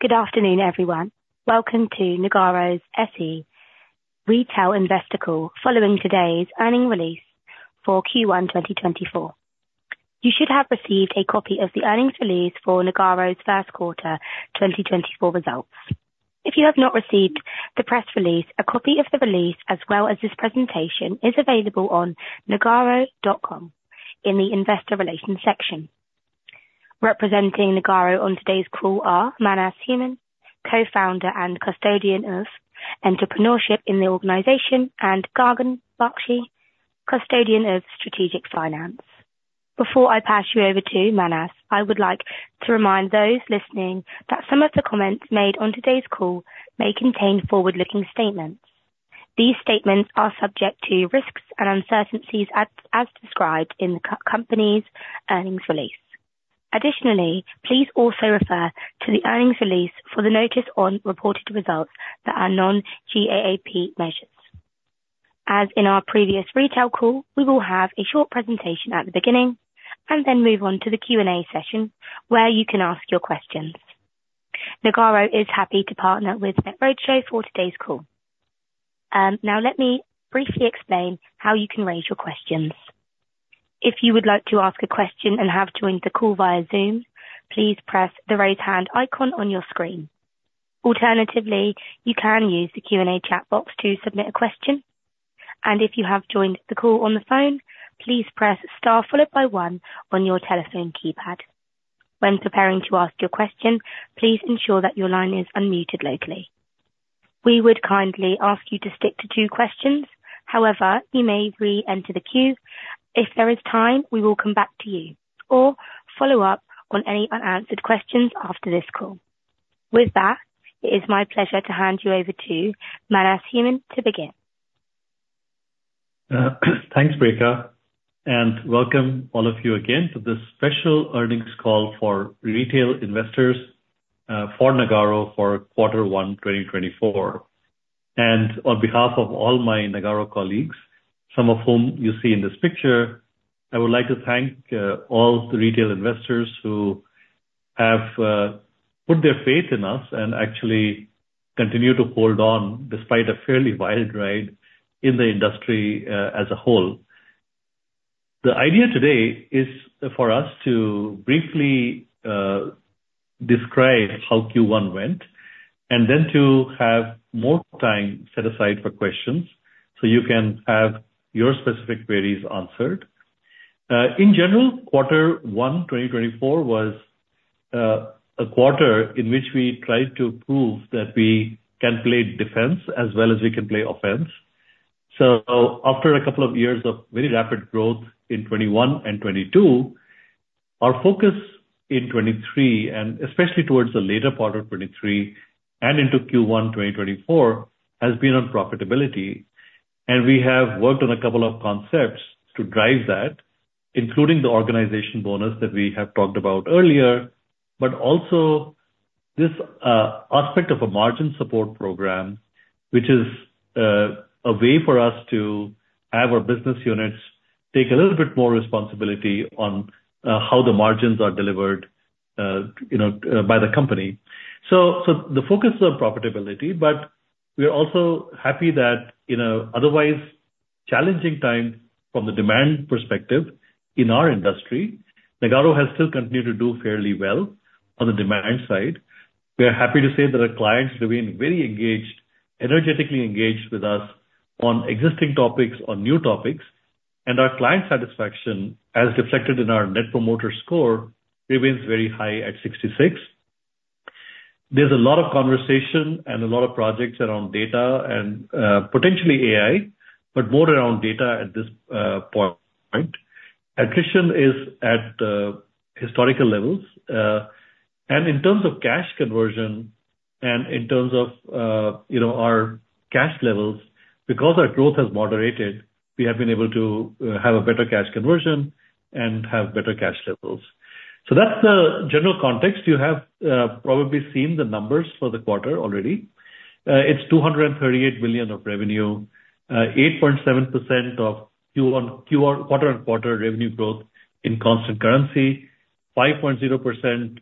Good afternoon, everyone. Welcome to Nagarro SE Retail Investor Call following today's earnings release for Q1 2024. You should have received a copy of the earnings release for Nagarro's First Quarter 2024 Results. If you have not received the press release, a copy of the release as well as this presentation is available on nagarro.com in the Investor Relations section. Representing Nagarro on today's call are Manas Human, co-founder and custodian of Entrepreneurship in the organization, and Gagan Bakshi, custodian of Strategic Finance. Before I pass you over to Manas, I would like to remind those listening that some of the comments made on today's call may contain forward-looking statements. These statements are subject to risks and uncertainties as described in the company's earnings release. Additionally, please also refer to the earnings release for the notice on reported results that are non-GAAP measures. As in our previous retail call, we will have a short presentation at the beginning and then move on to the Q&A session where you can ask your questions. Nagarro is happy to partner with NetRoadshow for today's call. Now, let me briefly explain how you can raise your questions. If you would like to ask a question and have joined the call via Zoom, please press the raise hand icon on your screen. Alternatively, you can use the Q&A chat box to submit a question. And if you have joined the call on the phone, please press star followed by 1 on your telephone keypad. When preparing to ask your question, please ensure that your line is unmuted locally. We would kindly ask you to stick to two questions. However, you may re-enter the queue. If there is time, we will come back to you or follow up on any unanswered questions after this call. With that, it is my pleasure to hand you over to Manas Human to begin. Thanks, Rika, and welcome all of you again to this special earnings call for retail investors for Nagarro for quarter 1 2024. On behalf of all my Nagarro colleagues, some of whom you see in this picture, I would like to thank all the retail investors who have put their faith in us and actually continue to hold on despite a fairly wild ride in the industry as a whole. The idea today is for us to briefly describe how Q1 went and then to have more time set aside for questions so you can have your specific queries answered. In general, quarter 1 2024 was a quarter in which we tried to prove that we can play defense as well as we can play offense. After a couple of years of very rapid growth in 2021 and 2022, our focus in 2023, and especially towards the later part of 2023 and into Q1 2024, has been on profitability. We have worked on a couple of concepts to drive that, including the organization bonus that we have talked about earlier, but also this aspect of a Margin Support Program, which is a way for us to have our business units take a little bit more responsibility on how the margins are delivered by the company. The focus is on profitability, but we are also happy that in an otherwise challenging time from the demand perspective in our industry, Nagarro has still continued to do fairly well on the demand side. We are happy to say that our clients remain very engaged, energetically engaged with us on existing topics, on new topics, and our client satisfaction, as reflected in our Net Promoter Score, remains very high at 66. There's a lot of conversation and a lot of projects around data and potentially AI, but more around data at this point. Attrition is at historical levels. In terms of cash conversion and in terms of our cash levels, because our growth has moderated, we have been able to have a better cash conversion and have better cash levels. That's the general context. You have probably seen the numbers for the quarter already. It's 238 million of revenue, 8.7% of quarter-on-quarter revenue growth in constant currency, 5.0%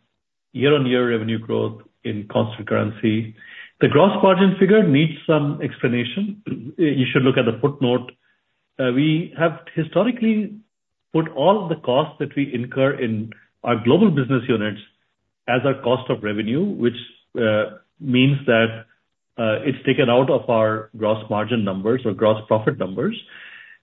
year-on-year revenue growth in constant currency. The gross margin figure needs some explanation. You should look at the footnote. We have historically put all the costs that we incur in our global business units as our cost of revenue, which means that it's taken out of our gross margin numbers or gross profit numbers.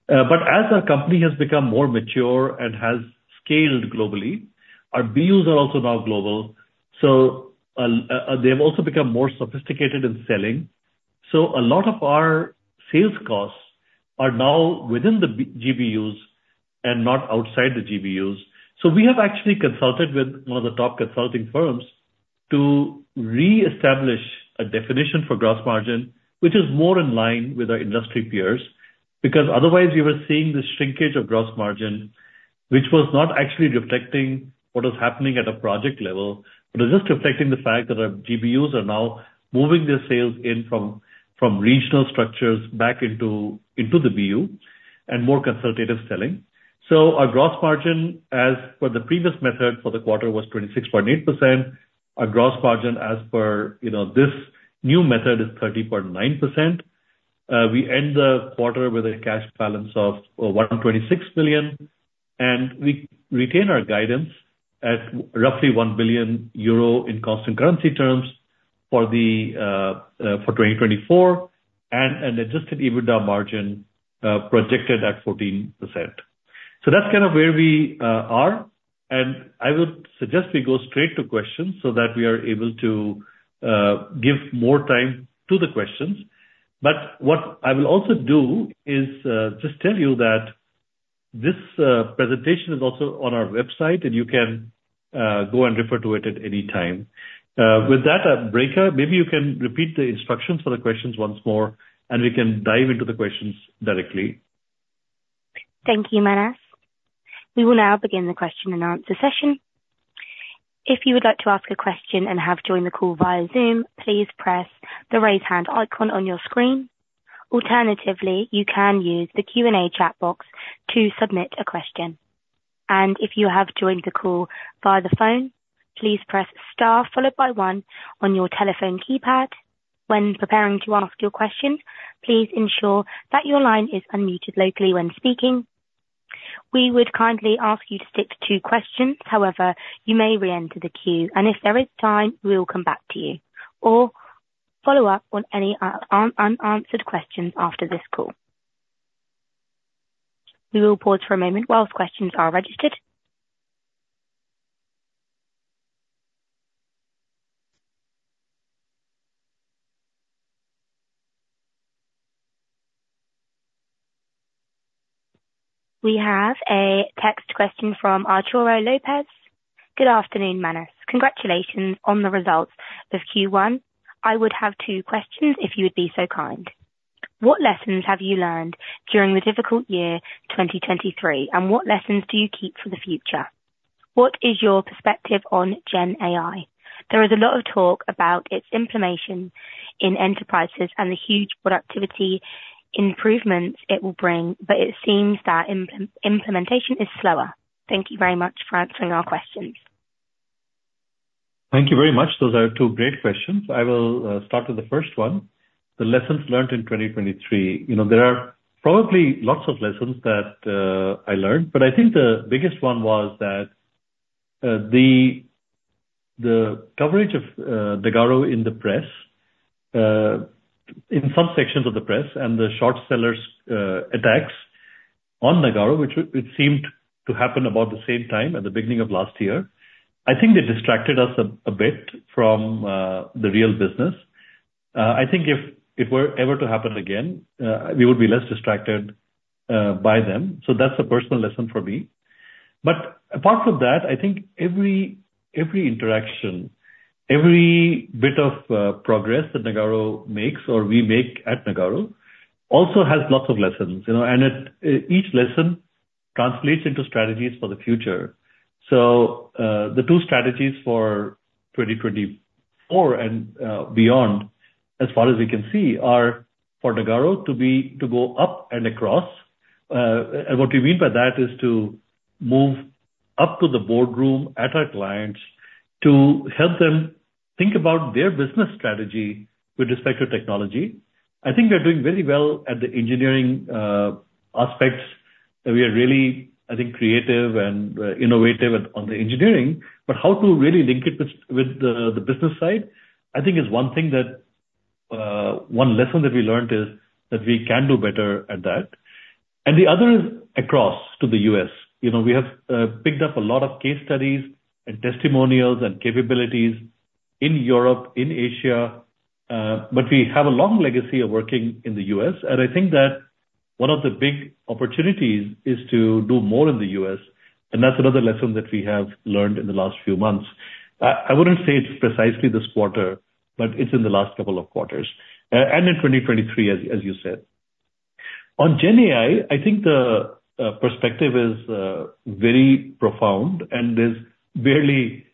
But as our company has become more mature and has scaled globally, our BUs are also now global. So they have also become more sophisticated in selling. So a lot of our sales costs are now within the GBUs and not outside the GBUs. So we have actually consulted with one of the top consulting firms to re-establish a definition for gross margin, which is more in line with our industry peers, because otherwise we were seeing this shrinkage of gross margin, which was not actually reflecting what was happening at a project level, but it was just reflecting the fact that our GBUs are now moving their sales in from regional structures back into the BU and more consultative selling. So our gross margin, as per the previous method for the quarter, was 26.8%. Our gross margin as per this new method is 30.9%. We end the quarter with a cash balance of 126 million, and we retain our guidance at roughly 1 billion euro in constant currency terms for 2024 and an adjusted EBITDA margin projected at 14%. So that's kind of where we are. I would suggest we go straight to questions so that we are able to give more time to the questions. What I will also do is just tell you that this presentation is also on our website, and you can go and refer to it at any time. With that, Rika, maybe you can repeat the instructions for the questions once more, and we can dive into the questions directly. Thank you, Manas. We will now begin the question and answer session. If you would like to ask a question and have joined the call via Zoom, please press the raise hand icon on your screen. Alternatively, you can use the Q&A chat box to submit a question. And if you have joined the call via the phone, please press star followed by 1 on your telephone keypad. When preparing to ask your question, please ensure that your line is unmuted locally when speaking. We would kindly ask you to stick to questions. However, you may re-enter the queue, and if there is time, we will come back to you or follow up on any unanswered questions after this call. We will pause for a moment while questions are registered. We have a text question from Arturo Lopez. "Good afternoon, Manas. Congratulations on the results of Q1. I would have two questions if you would be so kind. What lessons have you learned during the difficult year 2023, and what lessons do you keep for the future? What is your perspective on Gen AI? There is a lot of talk about its implementation in enterprises and the huge productivity improvements it will bring, but it seems that implementation is slower. Thank you very much for answering our questions. Thank you very much. Those are two great questions. I will start with the first one, the lessons learned in 2023. There are probably lots of lessons that I learned, but I think the biggest one was that the coverage of Nagarro in the press, in some sections of the press, and the short sellers' attacks on Nagarro, which seemed to happen about the same time at the beginning of last year, I think they distracted us a bit from the real business. I think if it were ever to happen again, we would be less distracted by them. So that's a personal lesson for me. But apart from that, I think every interaction, every bit of progress that Nagarro makes or we make at Nagarro also has lots of lessons. And each lesson translates into strategies for the future. So the two strategies for 2024 and beyond, as far as we can see, are for Nagarro to go up and across. And what we mean by that is to move up to the boardroom at our clients to help them think about their business strategy with respect to technology. I think we are doing very well at the engineering aspects. We are really, I think, creative and innovative on the engineering. But how to really link it with the business side, I think, is one thing that one lesson that we learned is that we can do better at that. And the other is across to the US. We have picked up a lot of case studies and testimonials and capabilities in Europe, in Asia, but we have a long legacy of working in the US. And I think that one of the big opportunities is to do more in the U.S. And that's another lesson that we have learned in the last few months. I wouldn't say it's precisely this quarter, but it's in the last couple of quarters and in 2023, as you said. On Gen AI, I think the perspective is very profound, and there's barely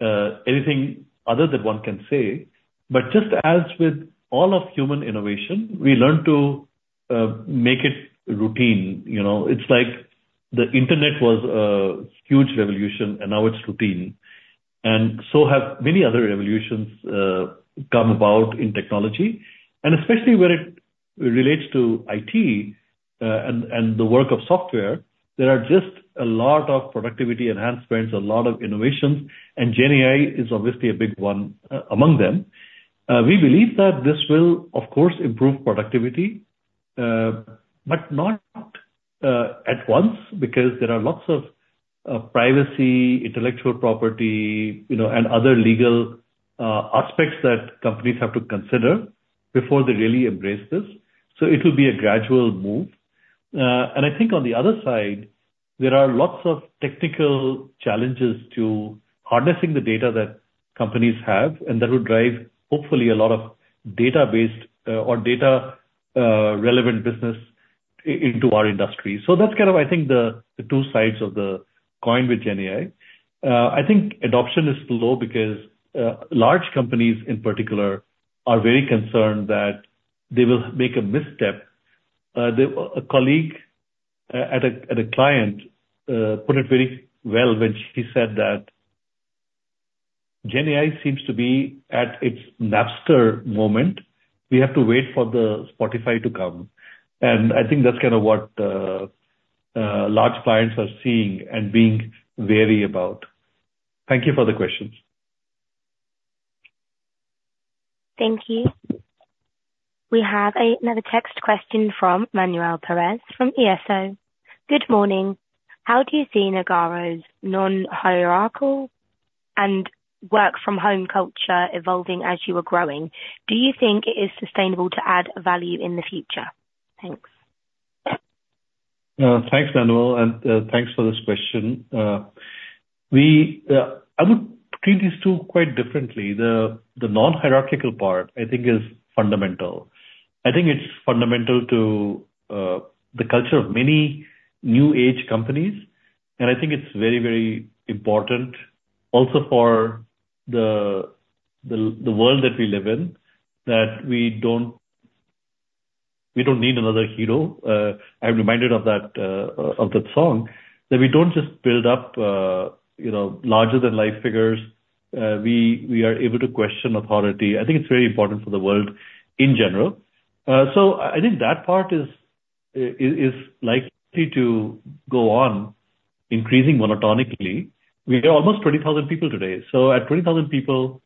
anything other that one can say. But just as with all of human innovation, we learned to make it routine. It's like the internet was a huge revolution, and now it's routine. And so have many other revolutions come about in technology. And especially when it relates to IT and the work of software, there are just a lot of productivity enhancements, a lot of innovations, and Gen AI is obviously a big one among them. We believe that this will, of course, improve productivity, but not at once because there are lots of privacy, intellectual property, and other legal aspects that companies have to consider before they really embrace this. So it will be a gradual move. I think on the other side, there are lots of technical challenges to harnessing the data that companies have, and that would drive, hopefully, a lot of data-based or data-relevant business into our industry. So that's kind of, I think, the two sides of the coin with Gen AI. I think adoption is slow because large companies, in particular, are very concerned that they will make a misstep. A colleague at a client put it very well when she said that Gen AI seems to be at its Napster moment. We have to wait for the Spotify to come. I think that's kind of what large clients are seeing and being wary about. Thank you for the questions. Thank you. We have another text question from Manuel Perez from ESO. "Good morning. How do you see Nagarro's non-hierarchical and work-from-home culture evolving as you are growing? Do you think it is sustainable to add value in the future?" Thanks. Thanks, Manuel. And thanks for this question. I would treat these two quite differently. The non-hierarchical part, I think, is fundamental. I think it's fundamental to the culture of many new-age companies. And I think it's very, very important also for the world that we live in that we don't need another hero. I'm reminded of that song, that we don't just build up larger-than-life figures. We are able to question authority. I think it's very important for the world in general. So I think that part is likely to go on increasing monotonically. We are almost 20,000 people today. So at 20,000 people,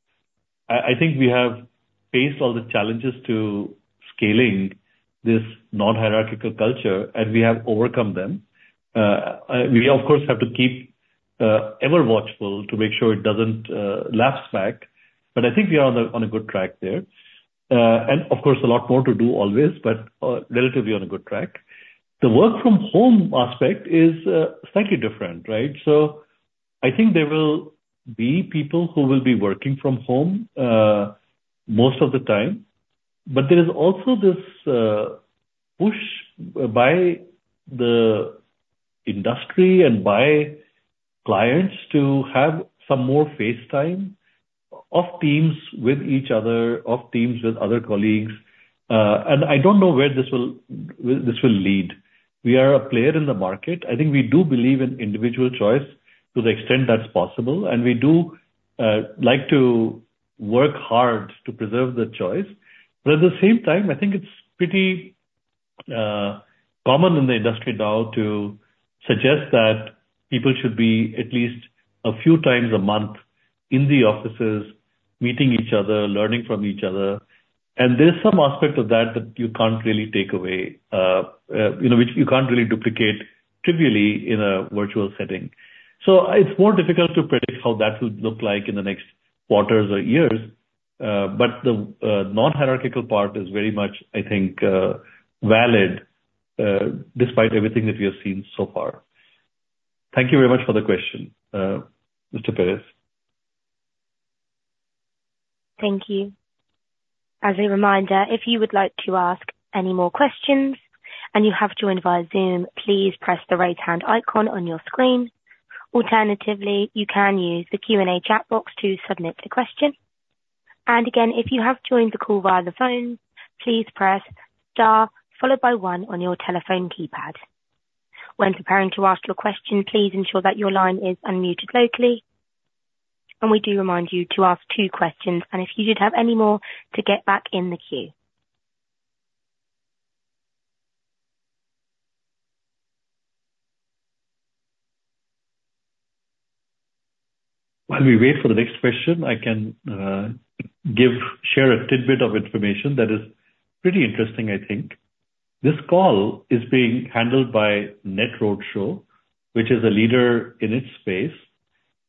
I think we have faced all the challenges to scaling this non-hierarchical culture, and we have overcome them. We, of course, have to keep ever watchful to make sure it doesn't lapse back. But I think we are on a good track there. Of course, a lot more to do always, but relatively on a good track. The work-from-home aspect is slightly different, right? So I think there will be people who will be working from home most of the time. But there is also this push by the industry and by clients to have some more face time off Teams with each other, off Teams with other colleagues. And I don't know where this will lead. We are a player in the market. I think we do believe in individual choice to the extent that's possible. And we do like to work hard to preserve the choice. But at the same time, I think it's pretty common in the industry now to suggest that people should be at least a few times a month in the offices meeting each other, learning from each other. There's some aspect of that that you can't really take away, which you can't really duplicate trivially in a virtual setting. It's more difficult to predict how that will look like in the next quarters or years. The non-hierarchical part is very much, I think, valid despite everything that we have seen so far. Thank you very much for the question, Mr. Perez. Thank you. As a reminder, if you would like to ask any more questions and you have joined via Zoom, please press the right-hand icon on your screen. Alternatively, you can use the Q&A chat box to submit a question. If you have joined the call via the phone, please press star followed by 1 on your telephone keypad. When preparing to ask your question, please ensure that your line is unmuted locally. We do remind you to ask two questions. If you did have any more, to get back in the queue. While we wait for the next question, I can share a tidbit of information that is pretty interesting, I think. This call is being handled by NetRoadshow, which is a leader in its space.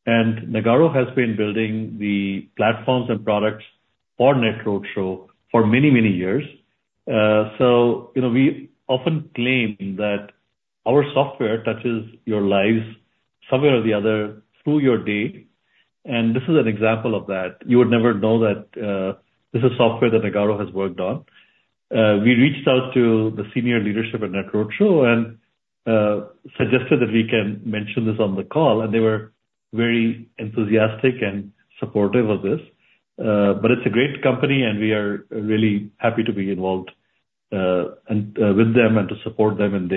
Nagarro has been building the platforms and products for NetRoadshow for many, many years. We often claim that our software touches your lives somewhere or the other through your day. This is an example of that. You would never know that this is software that Nagarro has worked on. We reached out to the senior leadership at NetRoadshow and suggested that we can mention this on the call. They were very enthusiastic and supportive of this. It's a great company, and we are really happy to be involved with them and to support them in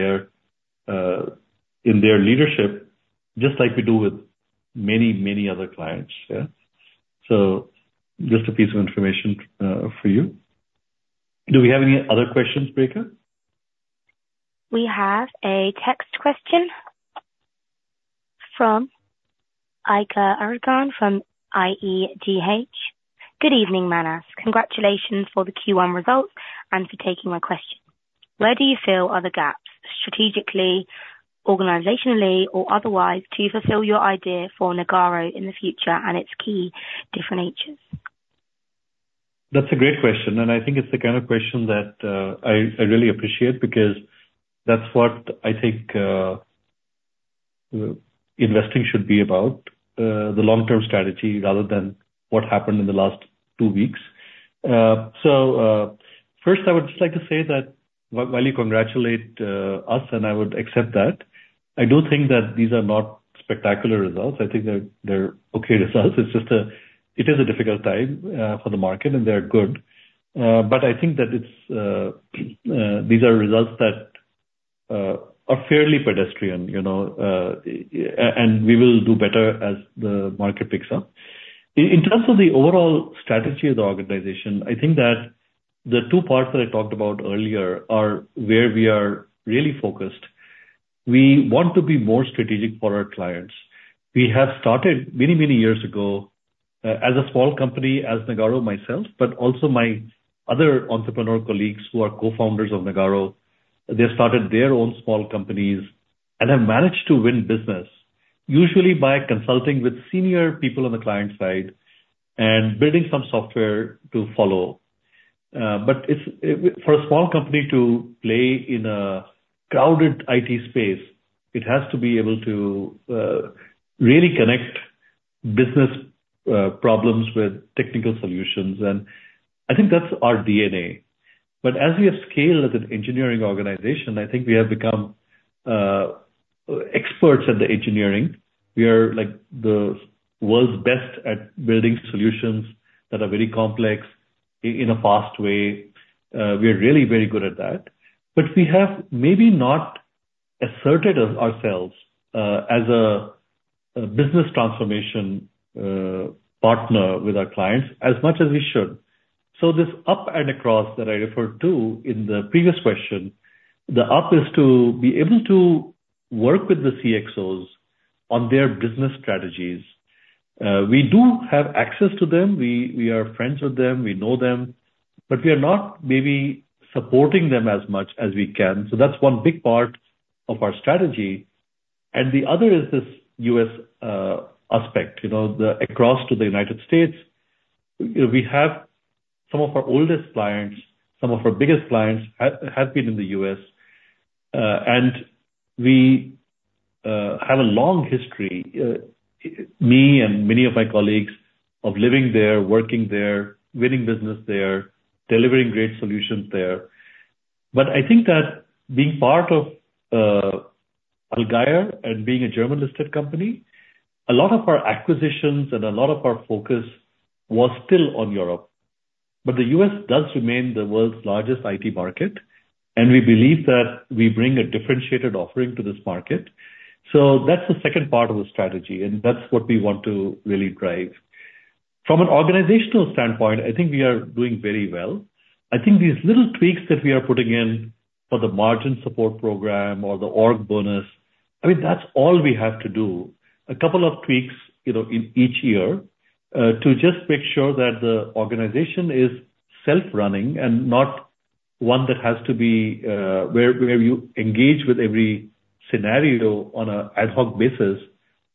their leadership just like we do with many, many other clients. Yeah? Just a piece of information for you. Do we have any other questions, Rika? We have a text question from Aiga Argon from IEDH. "Good evening, Manas. Congratulations for the Q1 results and for taking my question. Where do you feel are the gaps, strategically, organizationally, or otherwise, to fulfill your idea for Nagarro in the future and its key differentiators? That's a great question. I think it's the kind of question that I really appreciate because that's what I think investing should be about, the long-term strategy rather than what happened in the last two weeks. First, I would just like to say that while you congratulate us, and I would accept that, I do think that these are not spectacular results. I think they're okay results. It is a difficult time for the market, and they are good. I think that these are results that are fairly pedestrian. We will do better as the market picks up. In terms of the overall strategy of the organization, I think that the two parts that I talked about earlier are where we are really focused. We want to be more strategic for our clients. We have started many, many years ago as a small company as Nagarro myself, but also my other entrepreneur colleagues who are co-founders of Nagarro. They started their own small companies and have managed to win business, usually by consulting with senior people on the client side and building some software to follow. But for a small company to play in a crowded IT space, it has to be able to really connect business problems with technical solutions. And I think that's our DNA. But as we have scaled as an engineering organization, I think we have become experts at the engineering. We are the world's best at building solutions that are very complex in a fast way. We are really very good at that. But we have maybe not asserted ourselves as a business transformation partner with our clients as much as we should. So this up and across that I referred to in the previous question, the up is to be able to work with the CXOs on their business strategies. We do have access to them. We are friends with them. We know them. But we are not maybe supporting them as much as we can. So that's one big part of our strategy. And the other is this U.S. aspect, the across to the United States. We have some of our oldest clients, some of our biggest clients have been in the U.S. And we have a long history, me and many of my colleagues, of living there, working there, winning business there, delivering great solutions there. But I think that being part of Allgeier and being a German-listed company, a lot of our acquisitions and a lot of our focus was still on Europe. But the U.S. does remain the world's largest IT market. And we believe that we bring a differentiated offering to this market. So that's the second part of the strategy. And that's what we want to really drive. From an organizational standpoint, I think we are doing very well. I think these little tweaks that we are putting in for the margin support program or the org bonus, I mean, that's all we have to do, a couple of tweaks in each year to just make sure that the organization is self-running and not one that has to be where you engage with every scenario on an ad hoc basis,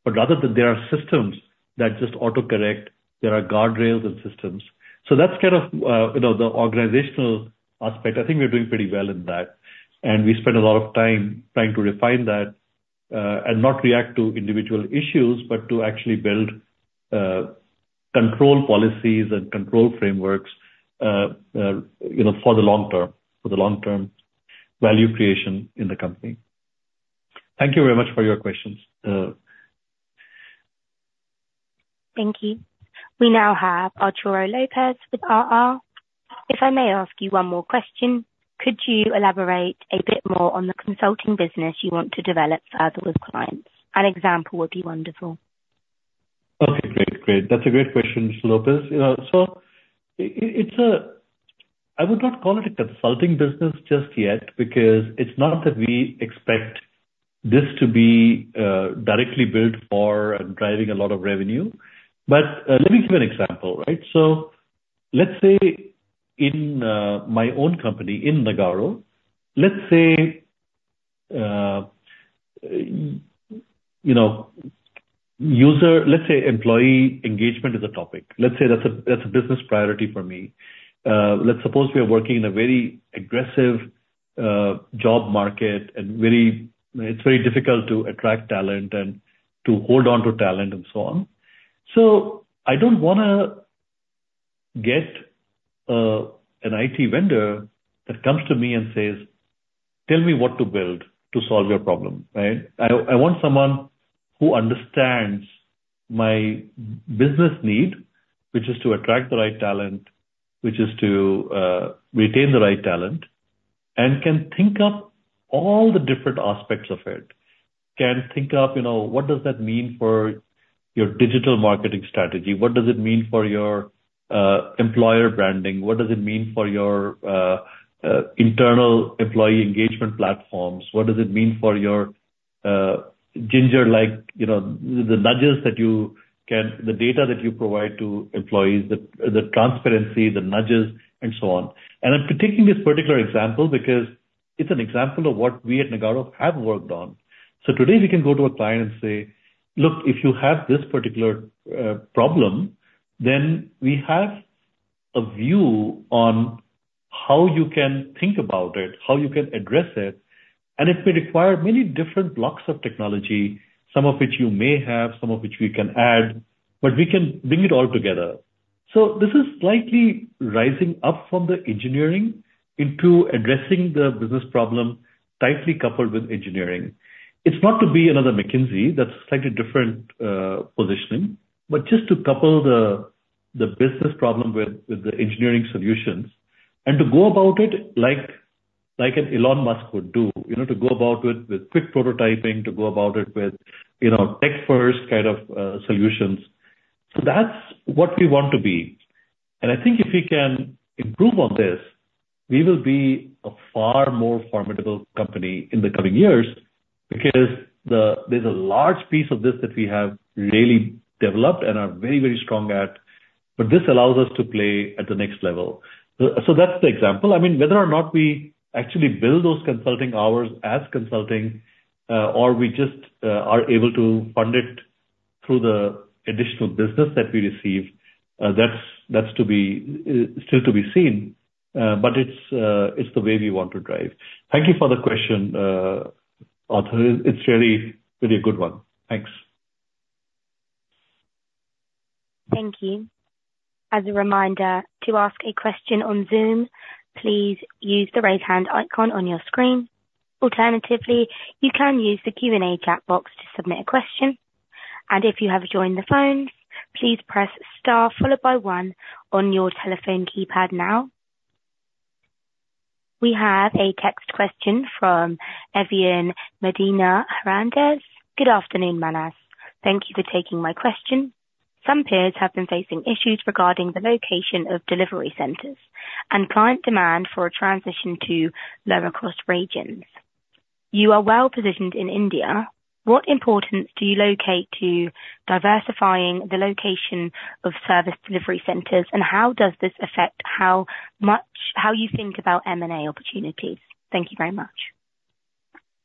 but rather that there are systems that just autocorrect. There are guardrails and systems. So that's kind of the organizational aspect. I think we're doing pretty well in that. We spend a lot of time trying to refine that and not react to individual issues, but to actually build control policies and control frameworks for the long term, for the long-term value creation in the company. Thank you very much for your questions. Thank you. We now have Arturo Lopez with RR. If I may ask you one more question, could you elaborate a bit more on the consulting business you want to develop further with clients? An example would be wonderful. Okay. Great. Great. That's a great question, Mr. Lopez. So I would not call it a consulting business just yet because it's not that we expect this to be directly built for driving a lot of revenue. But let me give an example, right? So let's say in my own company, in Nagarro, let's say employee engagement is a topic. Let's say that's a business priority for me. Let's suppose we are working in a very aggressive job market, and it's very difficult to attract talent and to hold on to talent and so on. So I don't want to get an IT vendor that comes to me and says, "Tell me what to build to solve your problem," right? I want someone who understands my business need, which is to attract the right talent, which is to retain the right talent, and can think up all the different aspects of it, can think up, "What does that mean for your digital marketing strategy? What does it mean for your employer branding? What does it mean for your internal employee engagement platforms? What does it mean for your Ginger—like the nudges that you can, the data that you provide to employees, the transparency, the nudges, and so on?" And I'm taking this particular example because it's an example of what we at Nagarro have worked on. So today, we can go to a client and say, "Look, if you have this particular problem, then we have a view on how you can think about it, how you can address it." And it may require many different blocks of technology, some of which you may have, some of which we can add. But we can bring it all together. So this is slightly rising up from the engineering into addressing the business problem tightly coupled with engineering. It's not to be another McKinsey. That's slightly different positioning. But just to couple the business problem with the engineering solutions and to go about it like an Elon Musk would do, to go about it with quick prototyping, to go about it with tech-first kind of solutions. So that's what we want to be. And I think if we can improve on this, we will be a far more formidable company in the coming years because there's a large piece of this that we have really developed and are very, very strong at. But this allows us to play at the next level. So that's the example. I mean, whether or not we actually build those consulting hours as consulting or we just are able to fund it through the additional business that we receive, that's still to be seen. But it's the way we want to drive. Thank you for the question, Arthur. It's really a good one. Thanks. Thank you. As a reminder, to ask a question on Zoom, please use the right-hand icon on your screen. Alternatively, you can use the Q&A chat box to submit a question. If you have joined the phone, please press star followed by one on your telephone keypad now. We have a text question from Evian Medina Hernandez. "Good afternoon, Manas. Thank you for taking my question. Some peers have been facing issues regarding the location of delivery centers and client demand for a transition to lower-cost regions. You are well-positioned in India. What importance do you place to diversifying the location of service delivery centers, and how does this affect how you think about M&A opportunities?" Thank you very much.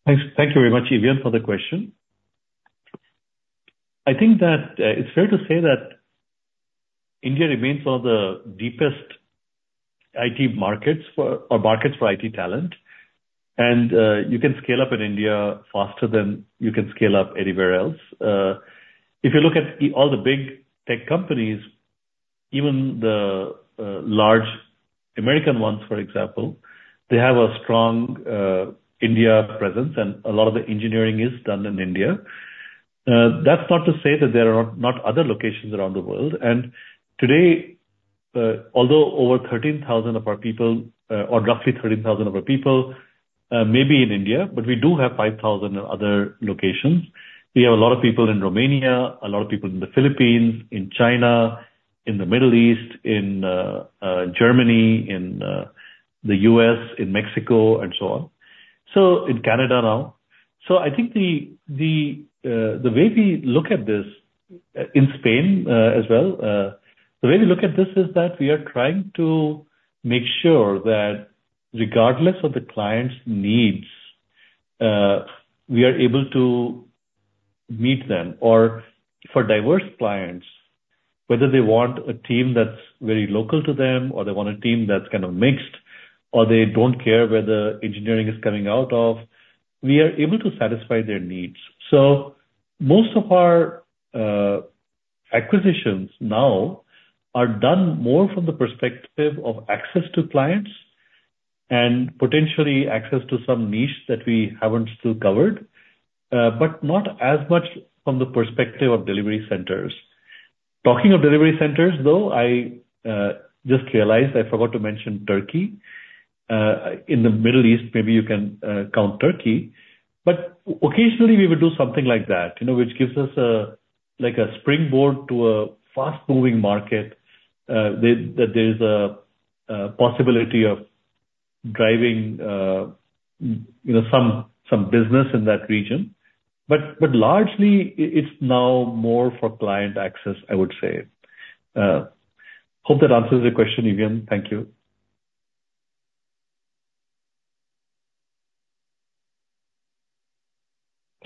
Thank you very much, Evian, for the question. I think that it's fair to say that India remains one of the deepest IT markets or markets for IT talent. You can scale up in India faster than you can scale up anywhere else. If you look at all the big tech companies, even the large American ones, for example, they have a strong India presence, and a lot of the engineering is done in India. That's not to say that there are not other locations around the world. Today, although over 13,000 of our people or roughly 13,000 of our people may be in India, but we do have 5,000 in other locations. We have a lot of people in Romania, a lot of people in the Philippines, in China, in the Middle East, in Germany, in the US, in Mexico, and so on, so in Canada now. So I think the way we look at this in Spain as well, the way we look at this is that we are trying to make sure that regardless of the client's needs, we are able to meet them. Or for diverse clients, whether they want a team that's very local to them or they want a team that's kind of mixed or they don't care where the engineering is coming out of, we are able to satisfy their needs. So most of our acquisitions now are done more from the perspective of access to clients and potentially access to some niches that we haven't still covered, but not as much from the perspective of delivery centers. Talking of delivery centers, though, I just realized I forgot to mention Turkey. In the Middle East, maybe you can count Turkey. But occasionally, we would do something like that, which gives us a springboard to a fast-moving market that there is a possibility of driving some business in that region. But largely, it's now more for client access, I would say. Hope that answers the question, Evian. Thank you.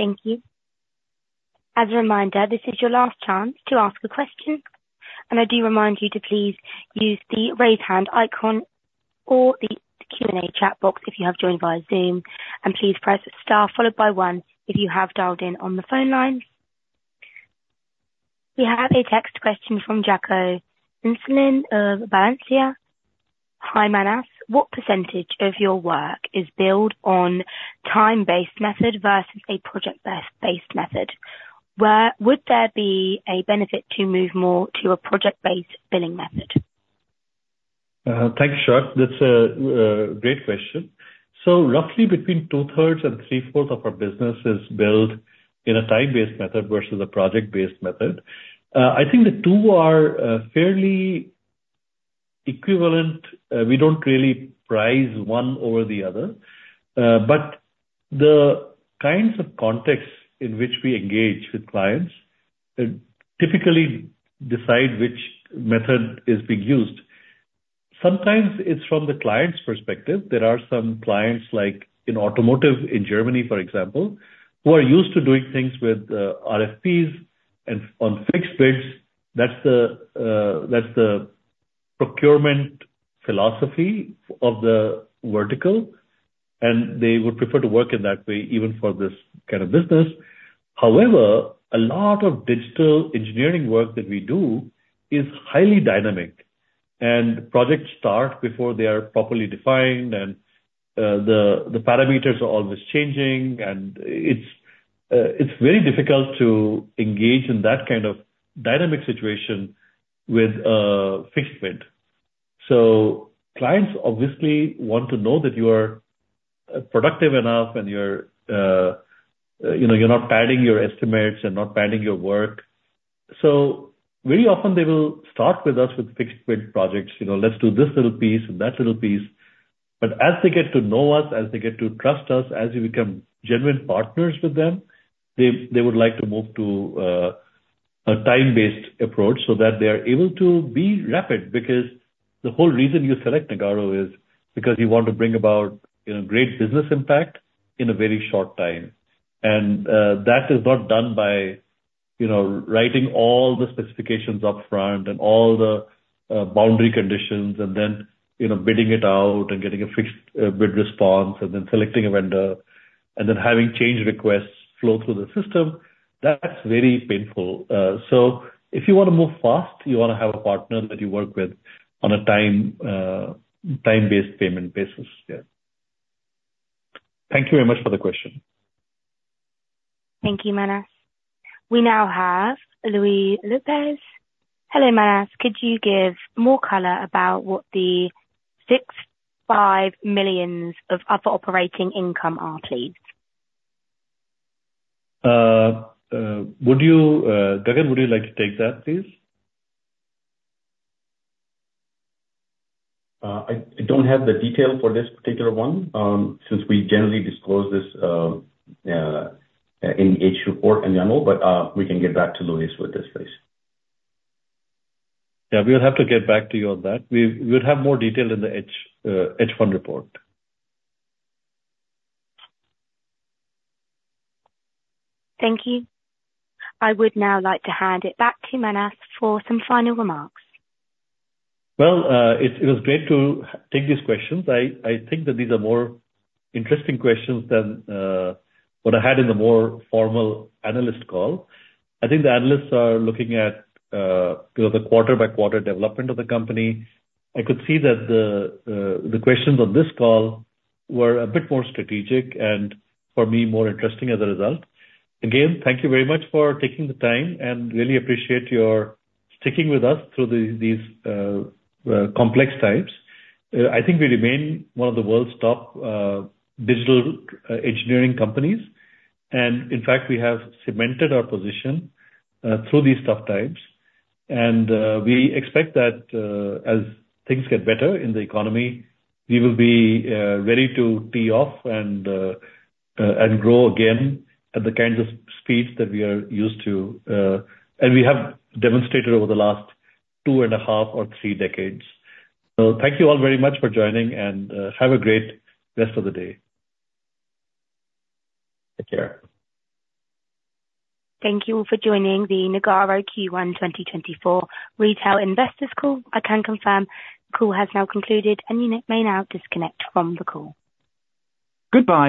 Thank you. As a reminder, this is your last chance to ask a question. I do remind you to please use the raise hand icon or the Q&A chat box if you have joined via Zoom. Please press star followed by 1 if you have dialed in on the phone line. We have a text question from Jacopo Bilancia. "Hi Manas. What percentage of your work is billed on time-based method versus a project-based method? Would there be a benefit to move more to a project-based billing method? Thanks, Jaco. That's a great question. So roughly, between two-thirds and three-fourths of our business is billed in a time-based method versus a project-based method. I think the two are fairly equivalent. We don't really prize one over the other. But the kinds of contexts in which we engage with clients typically decide which method is being used. Sometimes it's from the client's perspective. There are some clients in automotive, in Germany, for example, who are used to doing things with RFPs and on fixed bids. That's the procurement philosophy of the vertical. And they would prefer to work in that way, even for this kind of business. However, a lot of digital engineering work that we do is highly dynamic. And projects start before they are properly defined. And the parameters are always changing. And it's very difficult to engage in that kind of dynamic situation with fixed bid. Clients obviously want to know that you are productive enough and you're not padding your estimates and not padding your work. Very often, they will start with us with fixed bid projects. "Let's do this little piece and that little piece." But as they get to know us, as they get to trust us, as we become genuine partners with them, they would like to move to a time-based approach so that they are able to be rapid. Because the whole reason you select Nagarro is because you want to bring about great business impact in a very short time. That is not done by writing all the specifications upfront and all the boundary conditions and then bidding it out and getting a fixed bid response and then selecting a vendor and then having change requests flow through the system. That's very painful. So if you want to move fast, you want to have a partner that you work with on a time-based payment basis. Yeah. Thank you very much for the question. Thank you, Manas. We now have Luis Lopez. "Hello, Manas. Could you give more color about what the 6.5 million of other operating income are, please? Gagan, would you like to take that, please? I don't have the detail for this particular one since we generally disclose this in the H report in general. We can get back to Louis with this, please. Yeah. We will have to get back to you on that. We would have more detail in the H1 report. Thank you. I would now like to hand it back to Manas for some final remarks. Well, it was great to take these questions. I think that these are more interesting questions than what I had in the more formal analyst call. I think the analysts are looking at the quarter-by-quarter development of the company. I could see that the questions on this call were a bit more strategic and, for me, more interesting as a result. Again, thank you very much for taking the time. And really appreciate your sticking with us through these complex times. I think we remain one of the world's top digital engineering companies. And in fact, we have cemented our position through these tough times. And we expect that as things get better in the economy, we will be ready to tee off and grow again at the kinds of speeds that we are used to and we have demonstrated over the last 2 and a half or 3 decades. Thank you all very much for joining, and have a great rest of the day. Take care. Thank you for joining the Nagarro Q1 2024 Retail Investors call. I can confirm the call has now concluded, and you may now disconnect from the call. Goodbye.